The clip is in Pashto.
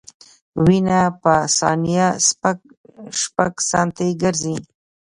وینه په ثانیه شپږ سانتي ګرځي.